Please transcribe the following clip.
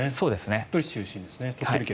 鳥取県中心ですね。